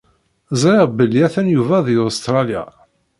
Ẓriɣ belli atan Yuba di Ustralya.